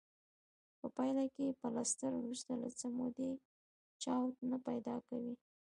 په پایله کې پلستر وروسته له څه مودې چاود نه پیدا کوي.